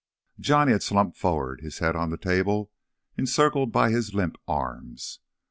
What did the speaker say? Johnny had slumped forward, his head on the table encircled by his limp arms.